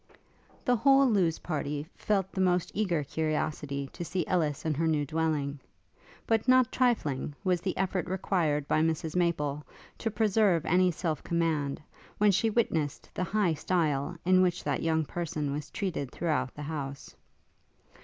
The whole Lewes party felt the most eager curiosity to see Ellis in her new dwelling; but not trifling was the effort required by Mrs Maple to preserve any self command, when she witnessed the high style in which that young person was treated throughout the house.